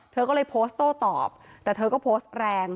เธอก็เลยโพสต์โต้ตอบแต่เธอก็โพสต์แรง